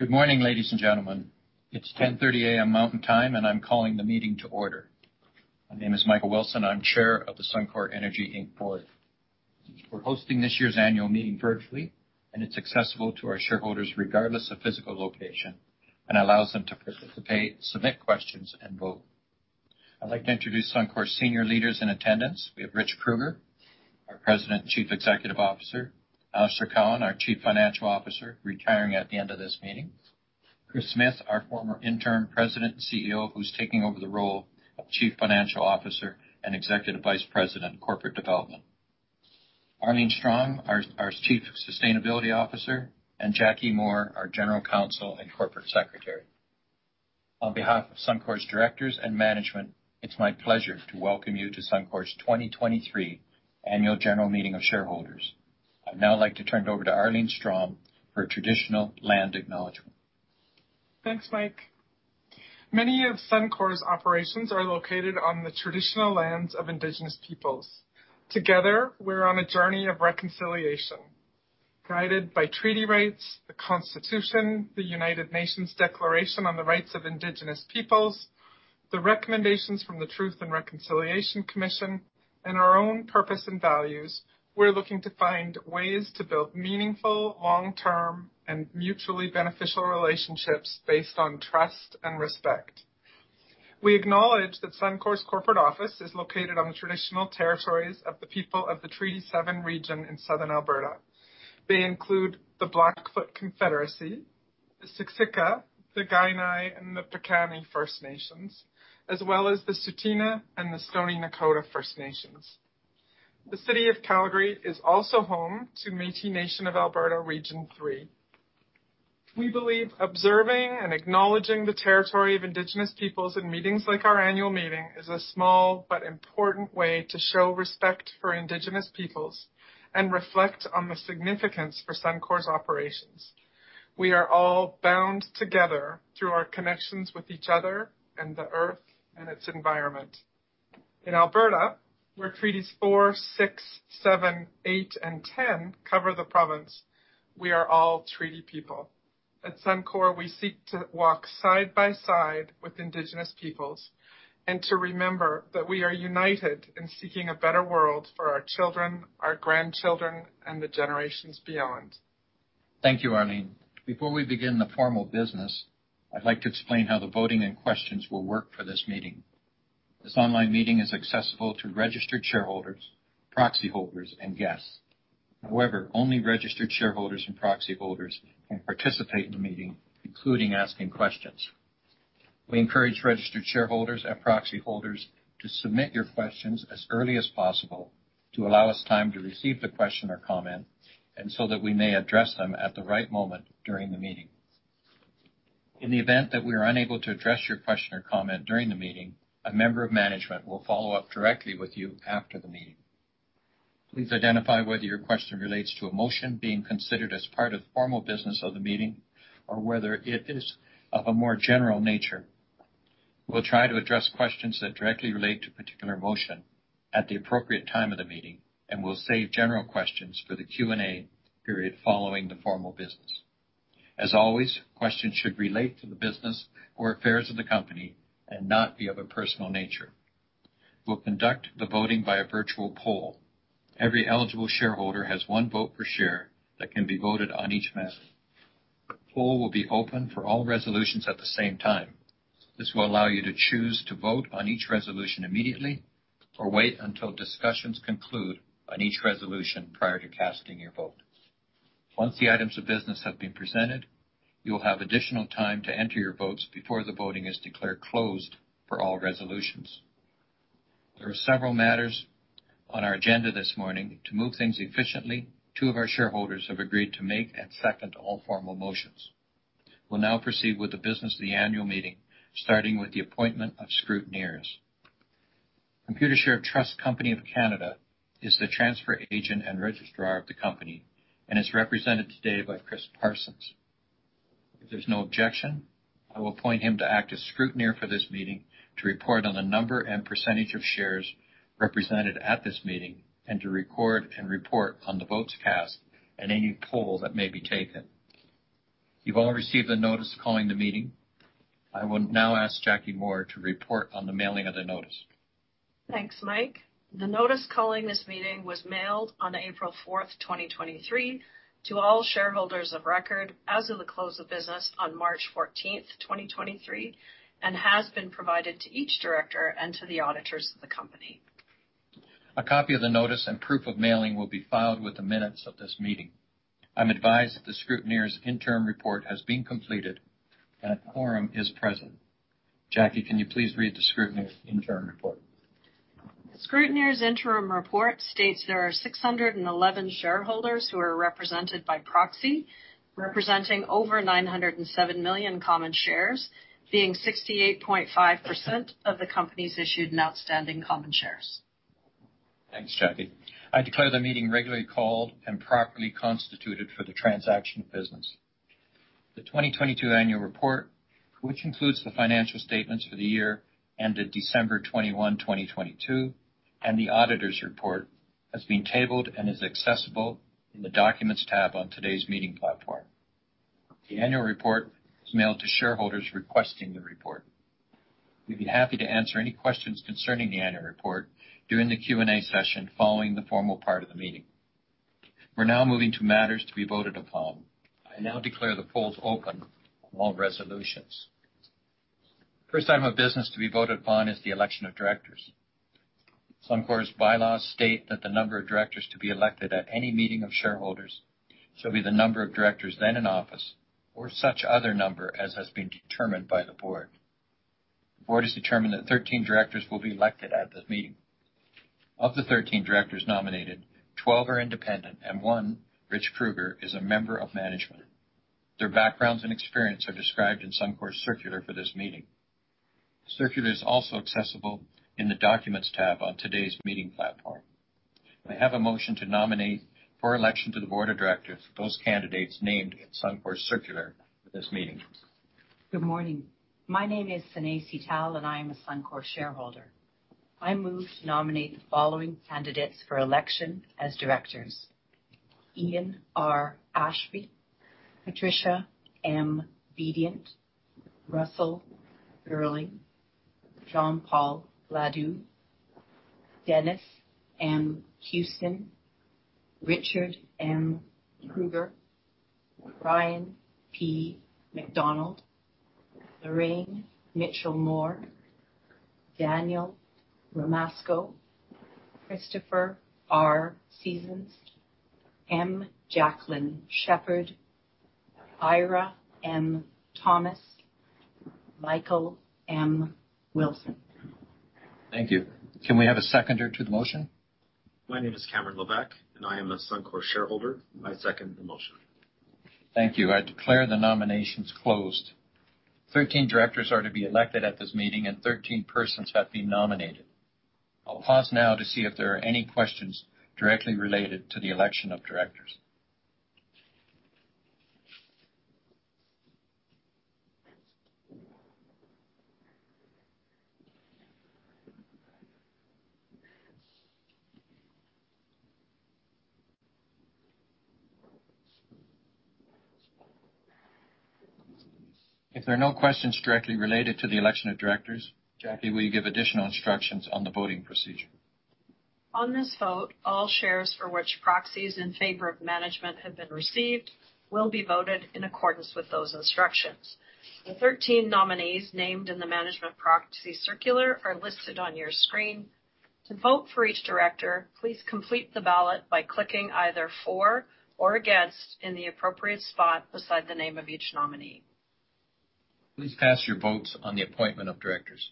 Good morning, ladies and gentlemen. It's 10:30 A.M. Mountain Time, I'm calling the meeting to order. My name is Michael Wilson, I'm Chair of the Suncor Energy Inc. Board. We're hosting this year's annual meeting virtually, it's accessible to our shareholders regardless of physical location and allows them to participate, submit questions, and vote. I'd like to introduce Suncor's senior leaders in attendance. We have Rich Kruger, our President and Chief Executive Officer. Alister Cowan, our Chief Financial Officer, retiring at the end of this meeting. Kris Smith, our former Interim President and CEO, who's taking over the role of Chief Financial Officer and Executive Vice President of Corporate Development. Arlene Strom, our Chief Sustainability Officer, Jacquie Moore, our General Counsel and Corporate Secretary. On behalf of Suncor's directors and management, it's my pleasure to welcome you to Suncor's 2023 Annual General Meeting of Shareholders. I'd now like to turn it over to Arlene Strom for a traditional land acknowledgement. Thanks, Mike. Many of Suncor's operations are located on the traditional lands of indigenous peoples. Together, we're on a journey of reconciliation. Guided by treaty rights, the Constitution, the United Nations Declaration on the Rights of Indigenous Peoples, the recommendations from the Truth and Reconciliation Commission, and our own purpose and values, we're looking to find ways to build meaningful, long-term, and mutually beneficial relationships based on trust and respect. We acknowledge that Suncor's corporate office is located on the traditional territories of the people of the Treaty Seven region in Southern Alberta. They include the Blackfoot Confederacy, the Siksika, the Kainai, and the Piikani First Nations, as well as the Tsuut'ina and the Stoney Nakoda First Nations. The City of Calgary is also home to Métis Nation of Alberta Region Three. We believe observing and acknowledging the territory of indigenous peoples in meetings like our annual meeting is a small but important way to show respect for indigenous peoples and reflect on the significance for Suncor's operations. We are all bound together through our connections with each other and the Earth and its environment. In Alberta, where Treaties 4, 6, 7, 8, and 10 cover the province, we are all treaty people. At Suncor, we seek to walk side by side with indigenous peoples and to remember that we are united in seeking a better world for our children, our grandchildren, and the generations beyond. Thank you, Arlene. Before we begin the formal business, I'd like to explain how the voting and questions will work for this meeting. This online meeting is accessible to registered shareholders, proxy holders, and guests. However, only registered shareholders and proxy holders can participate in the meeting, including asking questions. We encourage registered shareholders and proxy holders to submit your questions as early as possible to allow us time to receive the question or comment and so that we may address them at the right moment during the meeting. In the event that we are unable to address your question or comment during the meeting, a member of management will follow up directly with you after the meeting. Please identify whether your question relates to a motion being considered as part of the formal business of the meeting or whether it is of a more general nature. We'll try to address questions that directly relate to a particular motion at the appropriate time of the meeting, and we'll save general questions for the Q&A period following the formal business. As always, questions should relate to the business or affairs of the company and not be of a personal nature. We'll conduct the voting by a virtual poll. Every eligible shareholder has 1 vote per share that can be voted on each matter. The poll will be open for all resolutions at the same time. This will allow you to choose to vote on each resolution immediately or wait until discussions conclude on each resolution prior to casting your vote. Once the items of business have been presented, you'll have additional time to enter your votes before the voting is declared closed for all resolutions. There are several matters on our agenda this morning. To move things efficiently, two of our shareholders have agreed to make and second all formal motions. We'll now proceed with the business of the annual meeting, starting with the appointment of scrutineers. Computershare Trust Company of Canada is the transfer agent and registrar of the company and is represented today by Chris Parsons. If there's no objection, I will appoint him to act as scrutineer for this meeting to report on the number and percentage of shares represented at this meeting and to record and report on the votes cast and any poll that may be taken. You've all received the notice calling the meeting. I will now ask Jacquie Moore to report on the mailing of the notice. Thanks, Mike. The notice calling this meeting was mailed on April 4th, 2023, to all shareholders of record as of the close of business on March 14th, 2023, and has been provided to each director and to the auditors of the company. A copy of the notice and proof of mailing will be filed with the minutes of this meeting. I'm advised that the scrutineer's interim report has been completed, and a quorum is present. Jackie, can you please read the scrutineer's interim report? The scrutineer's interim report states there are 611 shareholders who are represented by proxy, representing over 907 million common shares, being 68.5% of the company's issued and outstanding common shares. Thanks, Jackie. I declare the meeting regularly called and properly constituted for the transaction of business. The 2022 annual report, which includes the financial statements for the year ended December 21, 2022, and the auditor's report has been tabled and is accessible in the Documents tab on today's meeting platform. The annual report is mailed to shareholders requesting the report. We'd be happy to answer any questions concerning the annual report during the Q&A session following the formal part of the meeting. We're now moving to matters to be voted upon. I now declare the polls open on all resolutions. First item of business to be voted upon is the election of directors. Suncor's bylaws state that the number of directors to be elected at any meeting of shareholders shall be the number of directors then in office or such other number as has been determined by the board. The board has determined that 13 directors will be elected at this meeting. Of the 13 directors nominated, 12 are independent and 1, Rich Kruger, is a member of management. Their backgrounds and experience are described in Suncor's circular for this meeting. The circular is also accessible in the Documents tab on today's meeting platform. May I have a motion to nominate for election to the board of directors those candidates named in Suncor's circular for this meeting. Good morning. My name is Sinay Sital, and I am a Suncor shareholder. I move to nominate the following candidates for election as directors. Ian R. Ashby, Patricia M. Bedient, Russell Girling, Jean-Paul Gladu, Dennis M. Houston, Richard M. Kruger, Brian P. MacDonald, Lorraine Mitchelmore, Daniel Romasko, Christopher R. Seasons, M. Jacqueline Sheppard, Eira M. Thomas, Michael M. Wilson. Thank you. Can we have a seconder to the motion? My name is Cameron Levesque, and I am a Suncor shareholder. I second the motion. Thank you. I declare the nominations closed. 13 directors are to be elected at this meeting and 13 persons have been nominated. I'll pause now to see if there are any questions directly related to the election of directors. If there are no questions directly related to the election of directors, Jackie, will you give additional instructions on the voting procedure? On this vote, all shares for which proxies in favor of management have been received will be voted in accordance with those instructions. The 13 nominees named in the management proxy circular are listed on your screen. To vote for each director, please complete the ballot by clicking either for or against in the appropriate spot beside the name of each nominee. Please cast your votes on the appointment of directors.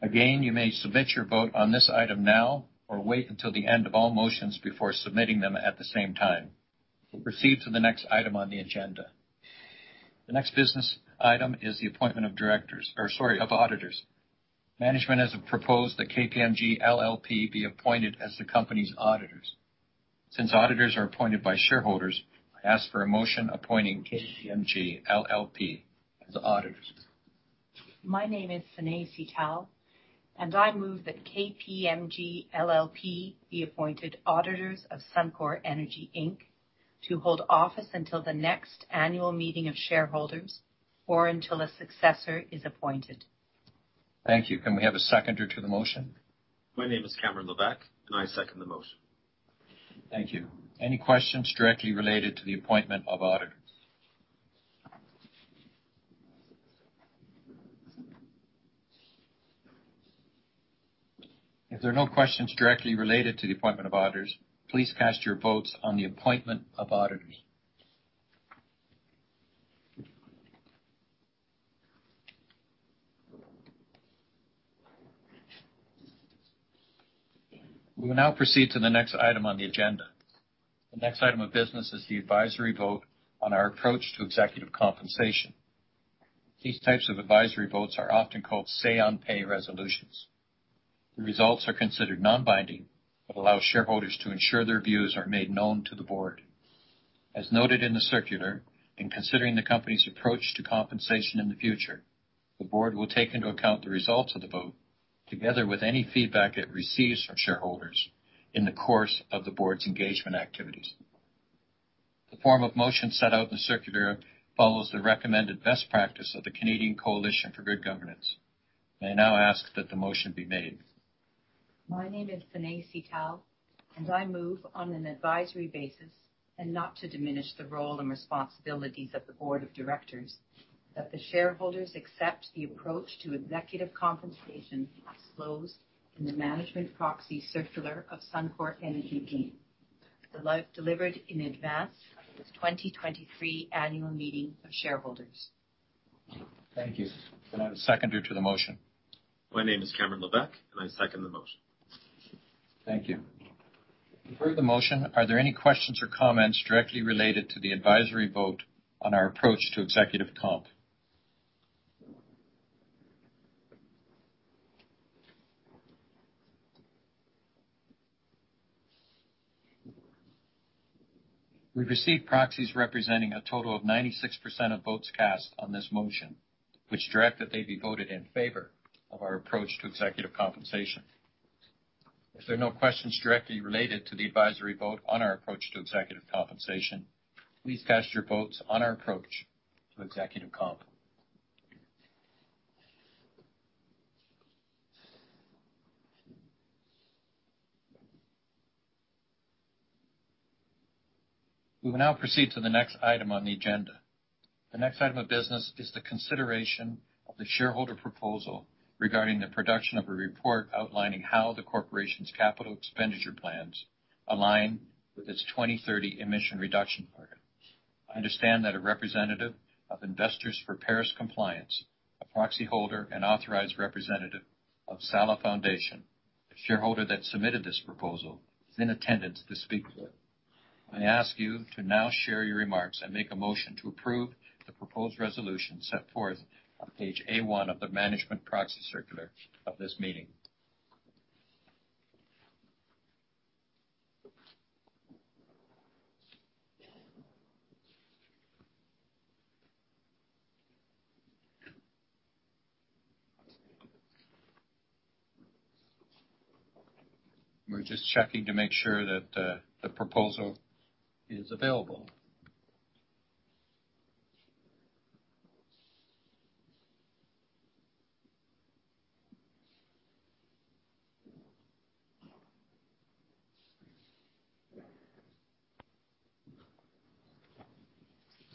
Again, you may submit your vote on this item now or wait until the end of all motions before submitting them at the same time. We'll proceed to the next item on the agenda. The next business item is the appointment of directors, or sorry, of auditors. Management has proposed that KPMG LLP be appointed as the company's auditors. Since auditors are appointed by shareholders, I ask for a motion appointing KPMG LLP as auditors. My name is Sinay Sital, and I move that KPMG LLP be appointed auditors of Suncor Energy Inc. to hold office until the next annual meeting of shareholders or until a successor is appointed. Thank you. Can we have a seconder to the motion? My name is Cameron Levesque, and I second the motion. Thank you. Any questions directly related to the appointment of auditors? If there are no questions directly related to the appointment of auditors, please cast your votes on the appointment of auditors. We will now proceed to the next item on the agenda. The next item of business is the advisory vote on our approach to executive compensation. These types of advisory votes are often called say on pay resolutions. The results are considered non-binding but allow shareholders to ensure their views are made known to the board. As noted in the circular, in considering the company's approach to compensation in the future, the board will take into account the results of the vote together with any feedback it receives from shareholders in the course of the board's engagement activities. The form of motion set out in the circular follows the recommended best practice of the Canadian Coalition for Good Governance. May I now ask that the motion be made. My name is Sinay Sital, and I move on an advisory basis and not to diminish the role and responsibilities of the board of directors that the shareholders accept the approach to executive compensation as disclosed in the management proxy circular of Suncor Energy Inc. delivered in advance of this 2023 annual meeting of shareholders. Thank you. Can I have a seconder to the motion? My name is Cameron Levesque, and I second the motion. Thank you. To approve the motion, are there any questions or comments directly related to the advisory vote on our approach to executive comp? We've received proxies representing a total of 96% of votes cast on this motion, which direct that they be voted in favor of our approach to executive compensation. If there are no questions directly related to the advisory vote on our approach to executive compensation, please cast your votes on our approach to executive comp. We will now proceed to the next item on the agenda. The next item of business is the consideration of the shareholder proposal regarding the production of a report outlining how the corporation's capital expenditure plans align with its 2030 emission reduction target. I understand that a representative of Investors for Paris Compliance, a proxy holder and authorized representative of Salal Foundation, the shareholder that submitted this proposal, is in attendance to speak to it. I ask you to now share your remarks and make a motion to approve the proposed resolution set forth on page A-1 of the management proxy circular of this meeting. We're just checking to make sure that the proposal is available.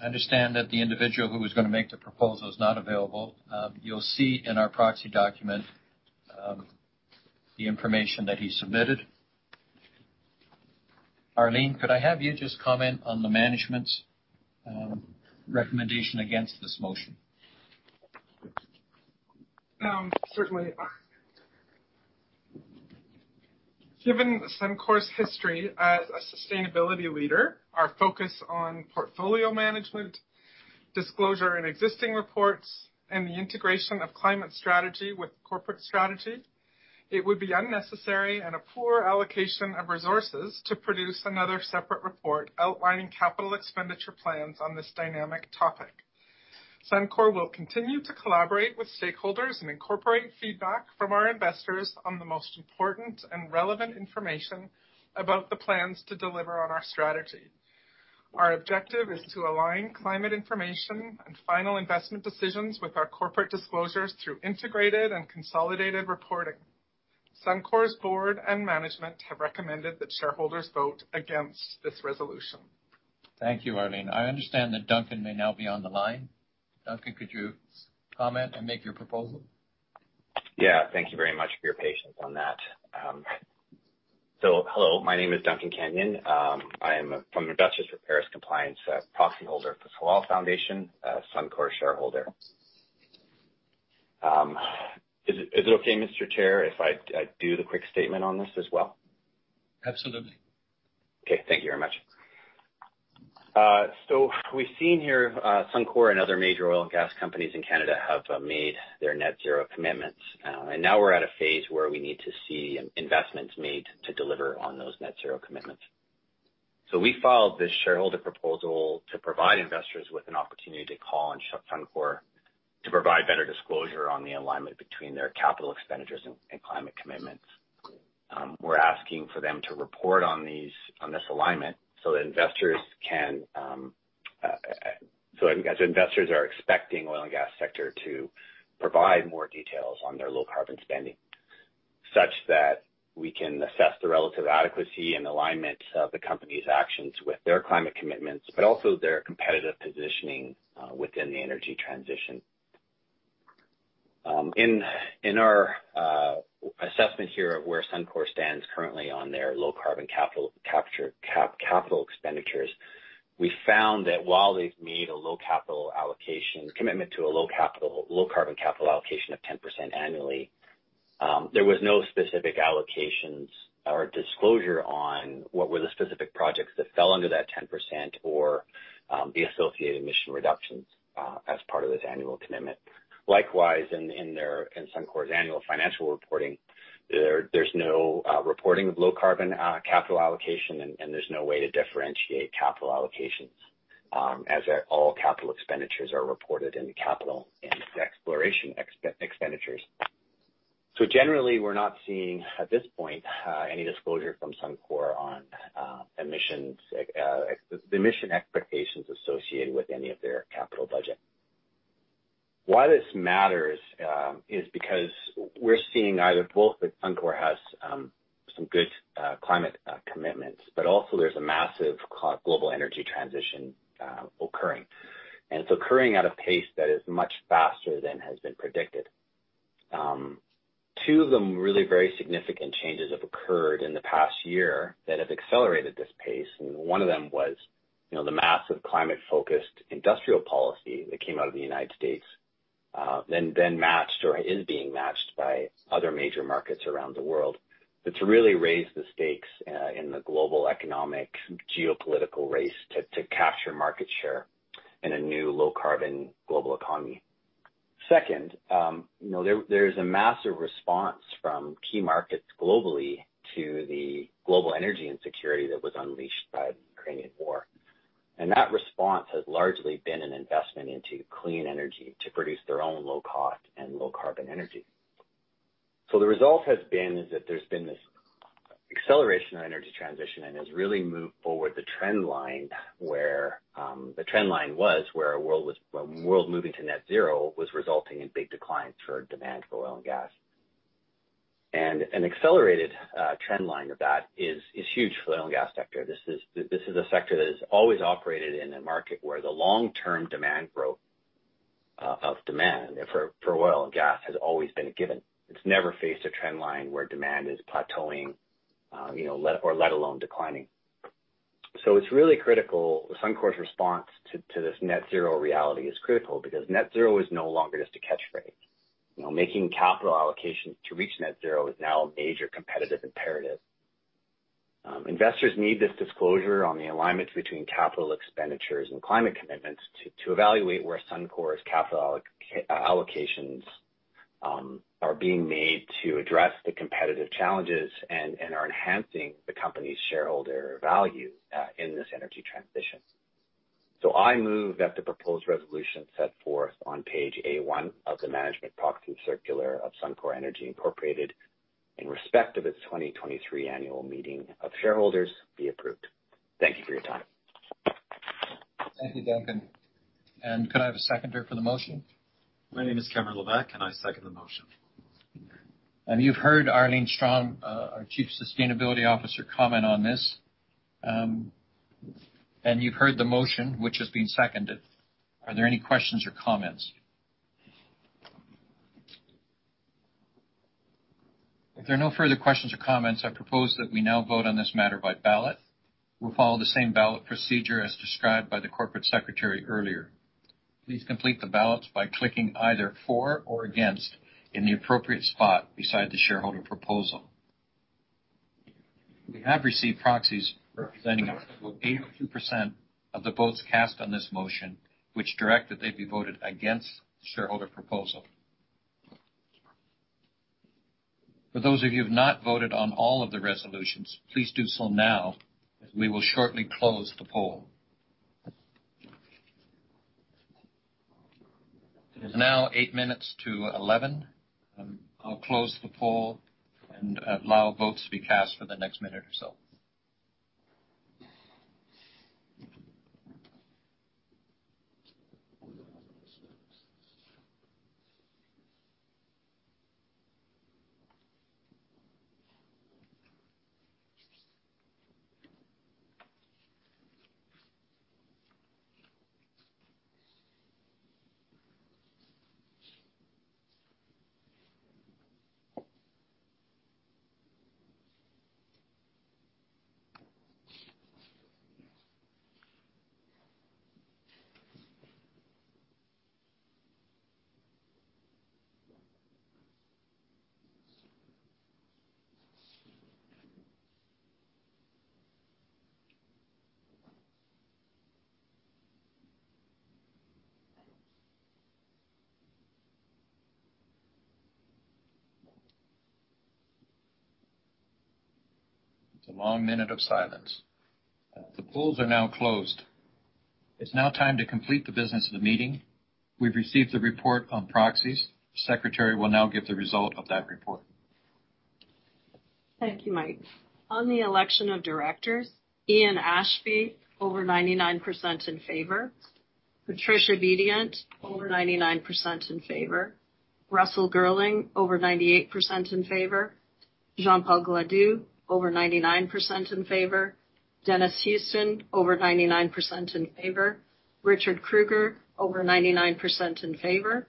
I understand that the individual who was gonna make the proposal is not available. You'll see in our proxy document the information that he submitted. Arlene, could I have you just comment on the management's recommendation against this motion? Certainly. Given Suncor's history as a sustainability leader, our focus on portfolio management, disclosure in existing reports, and the integration of climate strategy with corporate strategy, it would be unnecessary and a poor allocation of resources to produce another separate report outlining capital expenditure plans on this dynamic topic. Suncor will continue to collaborate with stakeholders and incorporate feedback from our investors on the most important and relevant information about the plans to deliver on our strategy. Our objective is to align climate information and final investment decisions with our corporate disclosures through integrated and consolidated reporting. Suncor's board and management have recommended that shareholders vote against this resolution. Thank you, Arlene. I understand that Duncan may now be on the line. Duncan, could you comment and make your proposal? Yeah. Thank you very much for your patience on that. Hello, my name is Duncan Kenyon. I am from Investors for Paris Compliance, a proxy holder for Salal Foundation, a Suncor shareholder. Is it okay, Mr. Chair, if I do the quick statement on this as well? Absolutely. Okay. Thank you very much. We've seen here, Suncor and other major oil and gas companies in Canada have made their net-zero commitments. Now we're at a phase where we need to see investments made to deliver on those net-zero commitments. We filed this shareholder proposal to provide investors with an opportunity to call on Suncor to provide better disclosure on the alignment between their capital expenditures and climate commitments. We're asking for them to report on this alignment so that investors can. Investors are expecting oil and gas sector to provide more details on their low carbon spending, such that we can assess the relative adequacy and alignment of the company's actions with their climate commitments, but also their competitive positioning within the energy transition. In our assessment here of where Suncor stands currently on their low carbon capital capture, capital expenditures, we found that while they've made a low capital allocation commitment to a low capital, low carbon capital allocation of 10% annually, there was no specific allocations or disclosure on what were the specific projects that fell under that 10% or the associated emission reductions as part of this annual commitment. Likewise, in their, in Suncor's annual financial reporting, there's no reporting of low carbon capital allocation and there's no way to differentiate capital allocations as all capital expenditures are reported in capital and exploration expenditures. Generally, we're not seeing at this point any disclosure from Suncor on emissions, emission expectations associated with any of their capital budget. Why this matters, is because we're seeing either both that Suncor has, some good, climate, commitments, but also there's a massive global energy transition, occurring. It's occurring at a pace that is much faster than has been predicted. Two of them really very significant changes have occurred in the past year that have accelerated this pace. One of them was, you know, the massive climate-focused industrial policy that came out of the United States, then matched or is being matched by other major markets around the world. To really raise the stakes, in the global economic geopolitical race to capture market share in a new low carbon global economy. Second, you know, there is a massive response from key markets globally to the global energy insecurity that was unleashed by the Ukrainian war. That response has largely been an investment into clean energy to produce their own low cost and low carbon energy. The result has been is that there's been this acceleration of energy transition and has really moved forward the trend line where A world moving to net zero was resulting in big declines for demand for oil and gas. An accelerated trend line of that is huge for the oil and gas sector. This is a sector that has always operated in a market where the long-term demand growth of demand for oil and gas has always been a given. It's never faced a trend line where demand is plateauing, you know, let alone declining. It's really critical. Suncor's response to this net zero reality is critical because net zero is no longer just a catch phrase. You know, making capital allocations to reach net zero is now a major competitive imperative. Investors need this disclosure on the alignment between capital expenditures and climate commitments to evaluate where Suncor's capital allocations are being made to address the competitive challenges and are enhancing the company's shareholder value in this energy transition. I move that the proposed resolution set forth on page A-1 of the management proxy circular of Suncor Energy Incorporated in respect of its 2023 annual meeting of shareholders be approved. Thank you for your time. Thank you, Duncan. Could I have a seconder for the motion? My name is Cameron Levesque, and I second the motion. You've heard Arlene Strom, our Chief Sustainability Officer, comment on this. You've heard the motion, which has been seconded. Are there any questions or comments? If there are no further questions or comments, I propose that we now vote on this matter by ballot. We'll follow the same ballot procedure as described by the corporate secretary earlier. Please complete the ballots by clicking either for or against in the appropriate spot beside the shareholder proposal. We have received proxies representing 82% of the votes cast on this motion, which direct that they be voted against shareholder proposal. For those of you who have not voted on all of the resolutions, please do so now, as we will shortly close the poll. It is now 8 minutes to 11. I'll close the poll and allow votes to be cast for the next minute or so. It's a long minute of silence. The polls are now closed. It's now time to complete the business of the meeting. We've received the report on proxies. Secretary will now give the result of that report. Thank you, Mike. On the election of directors, Ian Ashby, over 99% in favor. Patricia Bedient, over 99% in favor. Russell Girling, over 98% in favor. Jean-Paul Gladu, over 99% in favor. Dennis Houston, over 99% in favor. Richard Kruger, over 99% in favor.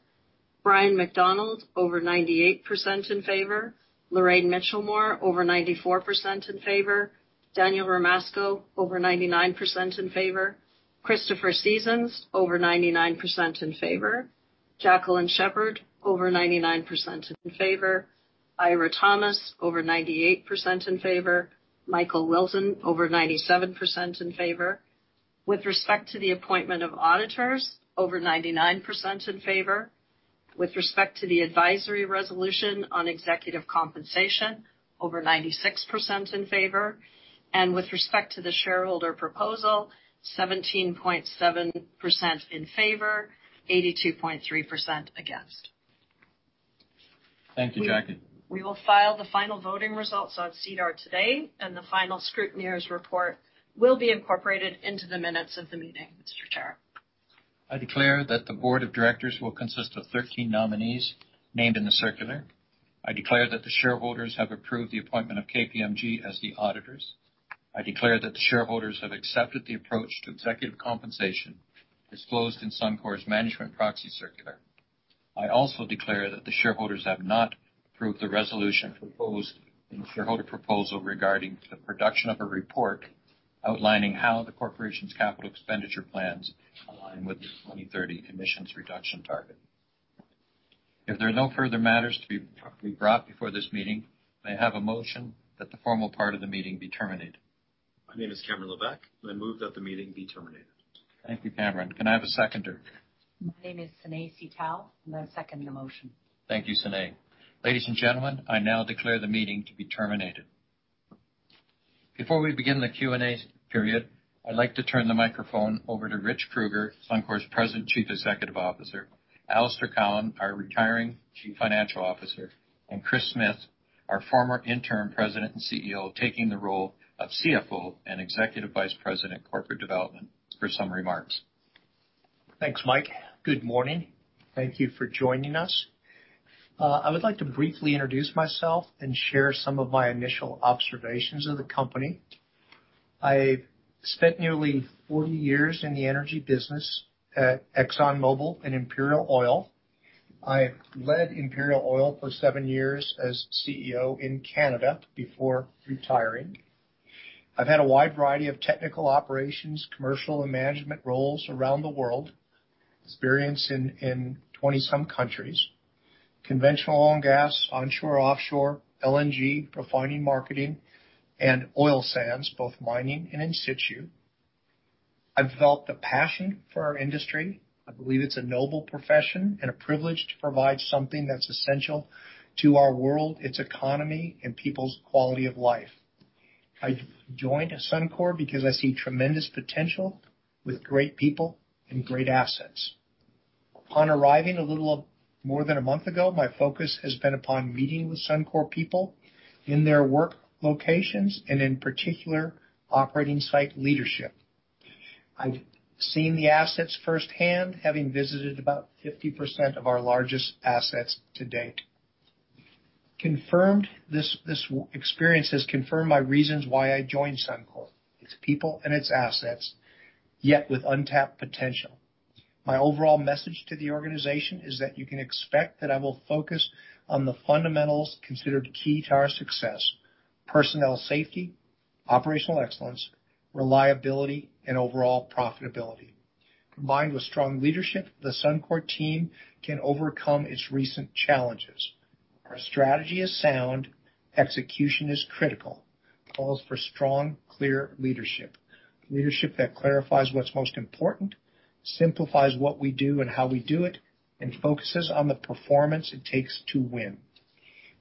Brian MacDonald, over 98% in favor. Lorraine Mitchelmore, over 94% in favor. Daniel Romasko, over 99% in favor. Christopher Seasons, over 99% in favor. Jacqueline Sheppard, over 99% in favor. Eira Thomas, over 98% in favor. Michael Wilson, over 97% in favor. With respect to the appointment of auditors, over 99% in favor. With respect to the advisory resolution on executive compensation, over 96% in favor. With respect to the shareholder proposal, 17.7% in favor, 82.3% against. Thank you, Jackie. We will file the final voting results on SEDAR today, and the final scrutineer's report will be incorporated into the minutes of the meeting. Mr. Chair. I declare that the board of directors will consist of 13 nominees named in the circular. I declare that the shareholders have approved the appointment of KPMG as the auditors. I declare that the shareholders have accepted the approach to executive compensation disclosed in Suncor's management proxy circular. I also declare that the shareholders have not approved the resolution proposed in the shareholder proposal regarding the production of a report outlining how the corporation's capital expenditure plans align with the 2030 emissions reduction target. If there are no further matters to be brought before this meeting, may I have a motion that the formal part of the meeting be terminated? My name is Cameron Levesque, and I move that the meeting be terminated. Thank you, Cameron. Can I have a seconder? My name is Sinay Sital, and I second the motion. Thank you, Sinay. Ladies and gentlemen, I now declare the meeting to be terminated. Before we begin the Q&A period, I'd like to turn the microphone over to Rich Kruger, Suncor's President Chief Executive Officer, Alister Cowan, our retiring Chief Financial Officer, and Kris Smith, our former Interim President and CEO, taking the role of CFO and Executive Vice President Corporate Development, for some remarks. Thanks, Mike. Good morning. Thank you for joining us. I would like to briefly introduce myself and share some of my initial observations of the company. I spent nearly 40 years in the energy business at ExxonMobil and Imperial Oil. I led Imperial Oil for 7 years as CEO in Canada before retiring. I've had a wide variety of technical operations, commercial and management roles around the world. Experience in 20-some countries. Conventional oil and gas, onshore, offshore, LNG, refining, marketing, and oil sands, both mining and in situ. I've developed a passion for our industry. I believe it's a noble profession and a privilege to provide something that's essential to our world, its economy, and people's quality of life. I've joined Suncor because I see tremendous potential with great people and great assets. Upon arriving a little more than a month ago, my focus has been upon meeting with Suncor people in their work locations and in particular, operating site leadership. I've seen the assets firsthand, having visited about 50% of our largest assets to date. This Experience has confirmed my reasons why I joined Suncor, its people and its assets, yet with untapped potential. My overall message to the organization is that you can expect that I will focus on the fundamentals considered key to our success: personnel safety, operational excellence, reliability, and overall profitability. Combined with strong leadership, the Suncor team can overcome its recent challenges. Our strategy is sound, execution is critical. Calls for strong, clear leadership. Leadership that clarifies what's most important, simplifies what we do and how we do it, and focuses on the performance it takes to win.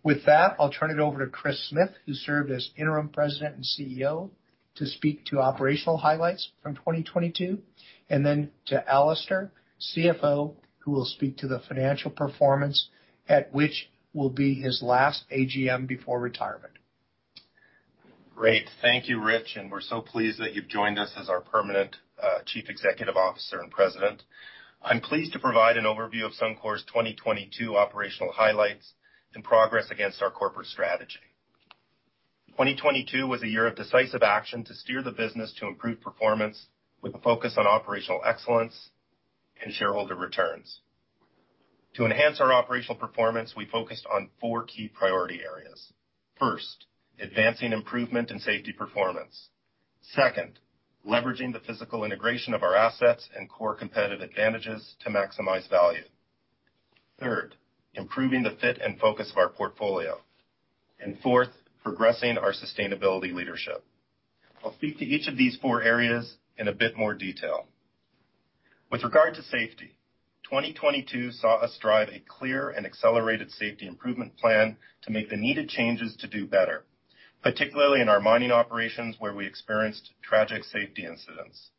With that, I'll turn it over to Kris Smith, who served as interim president and CEO, to speak to operational highlights from 2022, and then to Alister, CFO, who will speak to the financial performance at which will be his last AGM before retirement. Great. Thank you, Rich. We're so pleased that you've joined us as our permanent Chief Executive Officer and President. I'm pleased to provide an overview of Suncor's 2022 operational highlights and progress against our corporate strategy. 2022 was a year of decisive action to steer the business to improve performance with a focus on operational excellence and shareholder returns. To enhance our operational performance, we focused on four key priority areas. First, advancing improvement and safety performance. Second, leveraging the physical integration of our assets and core competitive advantages to maximize value. Third, improving the fit and focus of our portfolio. Fourth, progressing our sustainability leadership. I'll speak to each of these four areas in a bit more detail. With regard to safety, 2022 saw us drive a clear and accelerated safety improvement plan to make the needed changes to do better, particularly in our mining operations, where we experienced tragic safety incidents.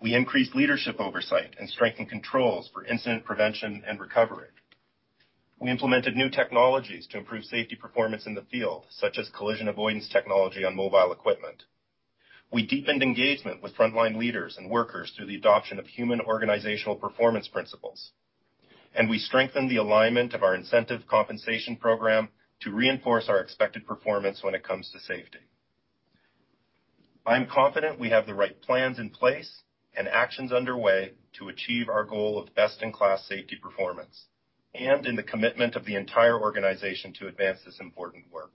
We increased leadership oversight and strengthened controls for incident prevention and recovery. We implemented new technologies to improve safety performance in the field, such as collision avoidance technology on mobile equipment. We deepened engagement with frontline leaders and workers through the adoption of Human and Organizational Performance principles. We strengthened the alignment of our incentive compensation program to reinforce our expected performance when it comes to safety. I'm confident we have the right plans in place and actions underway to achieve our goal of best-in-class safety performance and in the commitment of the entire organization to advance this important work.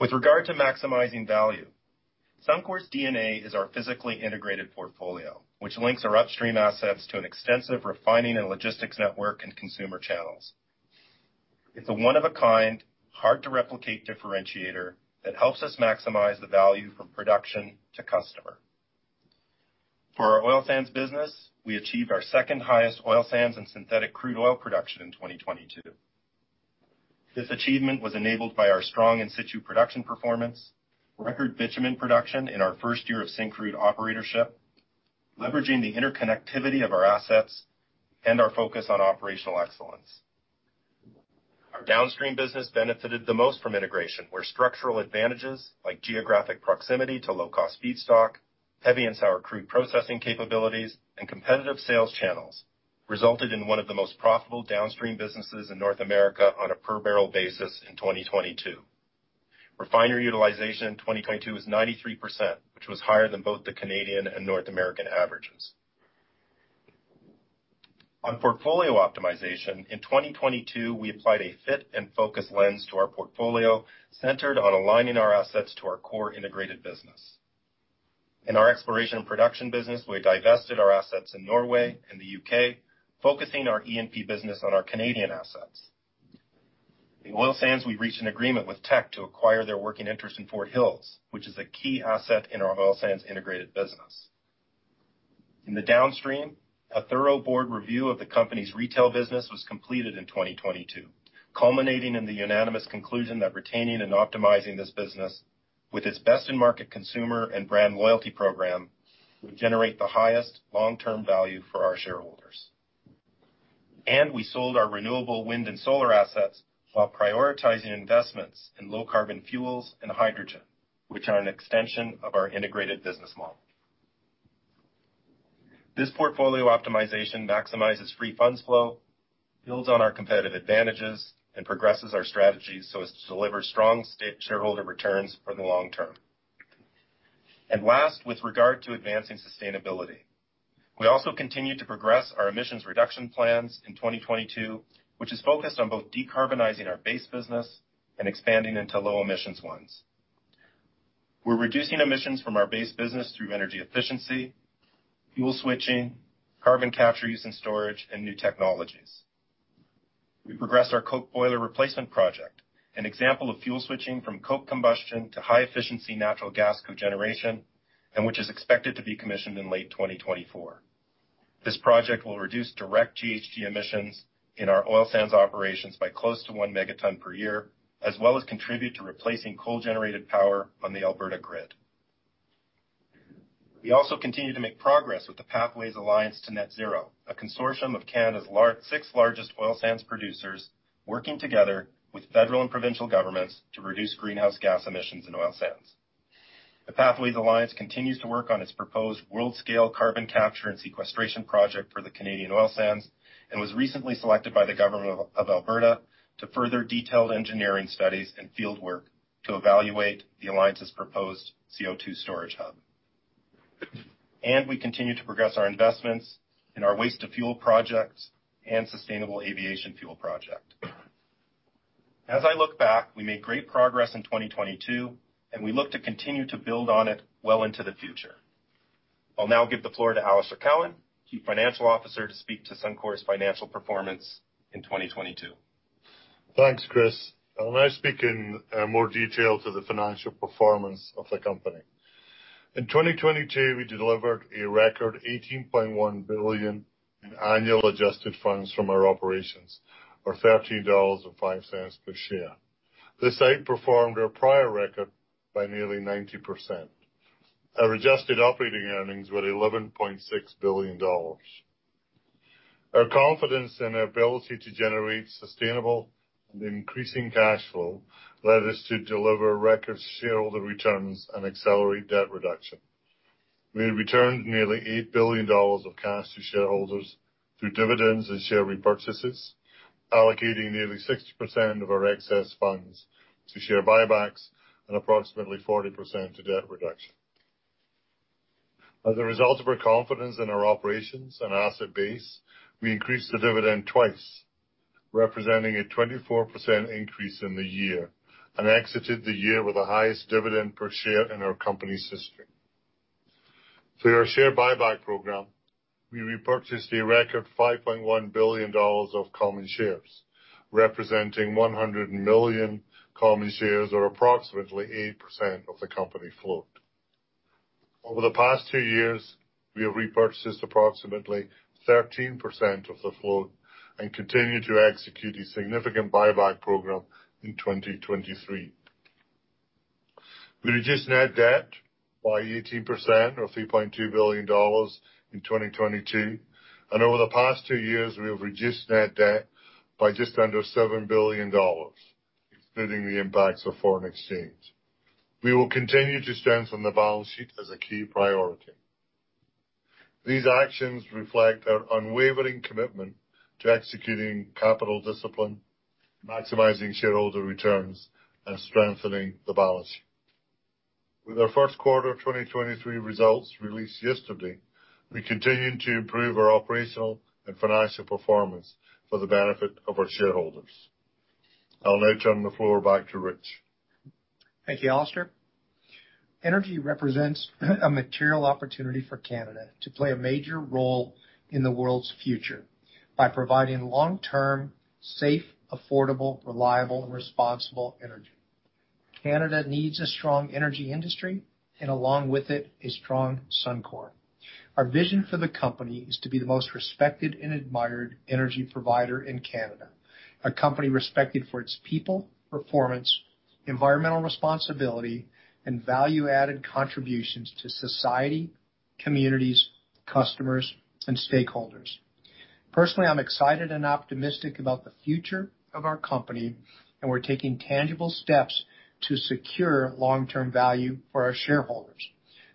With regard to maximizing value, Suncor's DNA is our physically integrated portfolio, which links our upstream assets to an extensive refining and logistics network and consumer channels. It's a one-of-a-kind, hard-to-replicate differentiator that helps us maximize the value from production to customer. For our oil sands business, we achieved our second-highest oil sands and synthetic crude oil production in 2022. This achievement was enabled by our strong in situ production performance, record bitumen production in our first year of Syncrude operatorship, leveraging the interconnectivity of our assets, and our focus on operational excellence. Our downstream business benefited the most from integration, where structural advantages like geographic proximity to low-cost feedstock-Heavy and sour crude processing capabilities and competitive sales channels resulted in one of the most profitable downstream businesses in North America on a per barrel basis in 2022. Refinery utilization in 2022 is 93%, which was higher than both the Canadian and North American averages. On portfolio optimization, in 2022, we applied a fit and focus lens to our portfolio, centered on aligning our assets to our core integrated business. In our exploration and production business, we divested our assets in Norway and the UK, focusing our E&P business on our Canadian assets. In oil sands, we've reached an agreement with Teck to acquire their working interest in Fort Hills, which is a key asset in our oil sands integrated business. In the downstream, a thorough board review of the company's retail business was completed in 2022, culminating in the unanimous conclusion that retaining and optimizing this business with its best-in-market consumer and brand loyalty program would generate the highest long-term value for our shareholders. We sold our renewable wind and solar assets while prioritizing investments in low carbon fuels and hydrogen, which is an extension of our integrated business model. This portfolio optimization maximizes free funds flow, builds on our competitive advantages, and progresses our strategies so as to deliver strong shareholder returns for the long term. Last, with regard to advancing sustainability, we also continued to progress our emissions reduction plans in 2022, which is focused on both decarbonizing our base business and expanding into low emissions ones. We're reducing emissions from our base business through energy efficiency, fuel switching, carbon capture use and storage, and new technologies. We progressed our Coke Boiler Replacement Project, an example of fuel switching from coke combustion to high efficiency natural gas cogeneration, and which is expected to be commissioned in late 2024. This project will reduce direct GHG emissions in our oil sands operations by close to 1 megatonne per year, as well as contribute to replacing coal-generated power on the Alberta grid. We also continue to make progress with the Pathways Alliance to Net Zero, a consortium of Canada's 6 largest oil sands producers working together with federal and provincial governments to reduce greenhouse gas emissions in oil sands. The Pathways Alliance continues to work on its proposed world-scale carbon capture and sequestration project for the Canadian oil sands, and was recently selected by the government of Alberta to further detailed engineering studies and field work to evaluate the Alliance's proposed CO2 storage hub. We continue to progress our investments in our waste-to-fuel projects and sustainable aviation fuel project. As I look back, we made great progress in 2022, and we look to continue to build on it well into the future. I'll now give the floor to Alister Cowan, Chief Financial Officer, to speak to Suncor's financial performance in 2022. Thanks, Kris. I'll now speak in more detail to the financial performance of the company. In 2022, we delivered a record 18.1 billion in annual adjusted funds from operations, or 13.05 dollars per share. This outperformed our prior record by nearly 90%. Our adjusted operating earnings were 11.6 billion dollars. Our confidence in our ability to generate sustainable and increasing cash flow led us to deliver record shareholder returns and accelerate debt reduction. We returned nearly 8 billion dollars of cash to shareholders through dividends and share repurchases, allocating nearly 60% of our excess funds to share buybacks and approximately 40% to debt reduction. As a result of our confidence in our operations and asset base, we increased the dividend twice, representing a 24% increase in the year, and exited the year with the highest dividend per share in our company's history. Through our share buyback program, we repurchased a record 5.1 billion dollars of common shares, representing 100 million common shares, or approximately 8% of the company float. Over the past two years, we have repurchased approximately 13% of the float and continue to execute a significant buyback program in 2023. We reduced net debt by 18% of 3.2 billion dollars in 2022, and over the past two years, we have reduced net debt by just under 7 billion dollars, excluding the impacts of foreign exchange. We will continue to strengthen the balance sheet as a key priority. These actions reflect our unwavering commitment to executing capital discipline, maximizing shareholder returns, and strengthening the balance sheet. With our first quarter of 2023 results released yesterday, we continue to improve our operational and financial performance for the benefit of our shareholders. I'll now turn the floor back to Rich. Thank you, Alister. Energy represents a material opportunity for Canada to play a major role in the world's future by providing long-term, safe, affordable, reliable, and responsible energy. Canada needs a strong energy industry, and along with it, a strong Suncor. Our vision for the company is to be the most respected and admired energy provider in Canada. A company respected for its people, performance, environmental responsibility, and value-added contributions to society, communities, and customers. Customers and stakeholders. Personally, I'm excited and optimistic about the future of our company, and we're taking tangible steps to secure long-term value for our shareholders.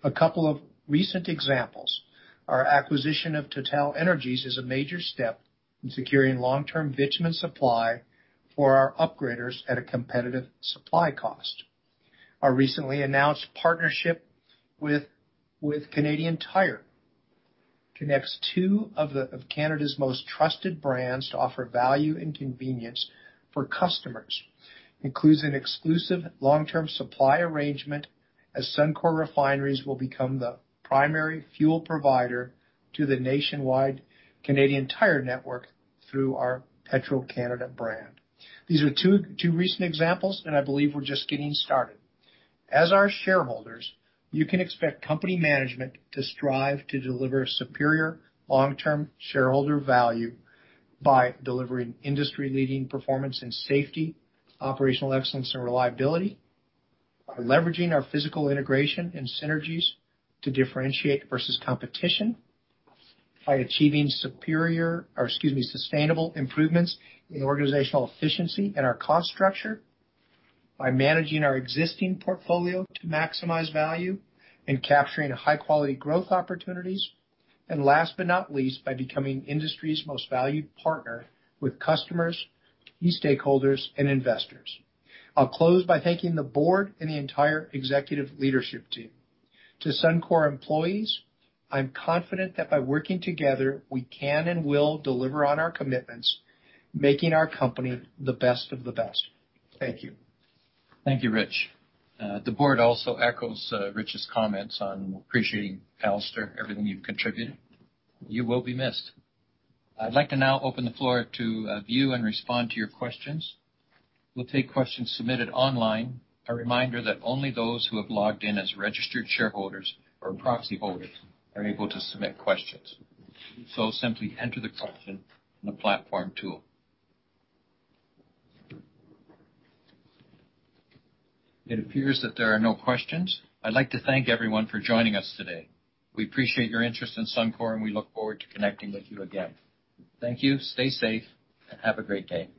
A couple of recent examples. Our acquisition of TotalEnergies is a major step in securing long-term bitumen supply for our upgraders at a competitive supply cost. Our recently announced partnership with Canadian Tire connects two of Canada's most trusted brands to offer value and convenience for customers, includes an exclusive long-term supply arrangement as Suncor refineries will become the primary fuel provider to the nationwide Canadian Tire network through our Petro-Canada brand. These are two recent examples, and I believe we're just getting started. As our shareholders, you can expect company management to strive to deliver superior long-term shareholder value by delivering industry-leading performance and safety, operational excellence and reliability, by leveraging our physical integration and synergies to differentiate versus competition, by achieving sustainable improvements in organizational efficiency and our cost structure, by managing our existing portfolio to maximize value and capturing high-quality growth opportunities, and last but not least, by becoming industry's most valued partner with customers, key stakeholders, and investors. I'll close by thanking the board and the entire executive leadership team. To Suncor employees, I'm confident that by working together, we can and will deliver on our commitments, making our company the best of the best. Thank you. Thank you, Rich. The board also echoes, Rich's comments on appreciating Alister Cowan, everything you've contributed. You will be missed. I'd like to now open the floor to, view and respond to your questions. We'll take questions submitted online. A reminder that only those who have logged in as registered shareholders or proxy holders are able to submit questions. So simply enter the question in the platform tool. It appears that there are no questions. I'd like to thank everyone for joining us today. We appreciate your interest in Suncor, and we look forward to connecting with you again. Thank you. Stay safe, and have a great day.